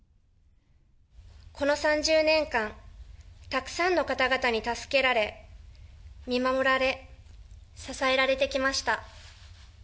この３０年間、たくさんの方々に助けられ、見守られ、支えられてきました。